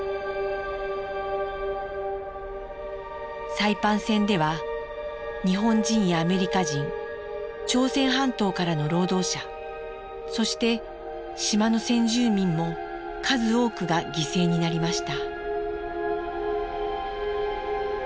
サイパン戦では日本人やアメリカ人朝鮮半島からの労働者そして島の先住民も数多くが犠牲になりました。